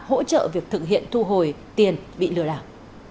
hỗ trợ việc thực hiện thu hồi tiền bị lừa đảo